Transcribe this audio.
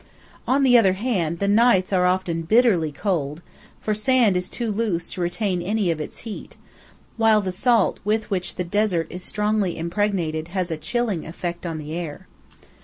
On the other hand, the nights are often bitterly cold, for the sand is too loose to retain any of its heat, while the salt with which the desert is strongly impregnated has a chilling effect on the air.